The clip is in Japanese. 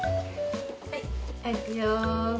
はいはいいくよ。